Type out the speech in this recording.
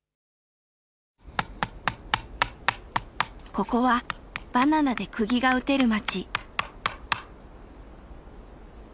ここはバナナでくぎが打てる町。